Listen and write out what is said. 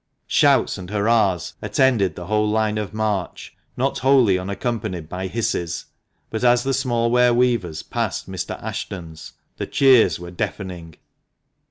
Shouts and hurrahs attended the whole line of march, not wholly unaccompanied by hisses ; but as the small ware weavers passed Mr. Ashton's the cheers were deafening.